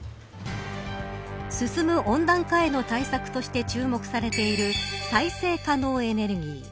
温暖化への対策として注目されている再生可能エネルギー。